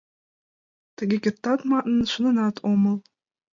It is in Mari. Тыге кертат манын, шоненат омыл.